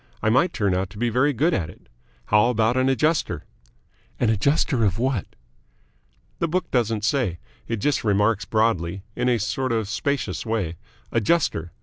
I might turn out to be very good at it. How about an Adjuster?" "An adjuster of what?" "The book doesn't say. It just remarks broadly in a sort of spacious way 'Adjuster.'